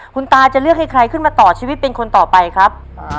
คุณตาจะเลือกให้ใครขึ้นมาต่อชีวิตเป็นคนต่อไปครับ